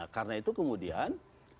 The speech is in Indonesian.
karena itu kemudian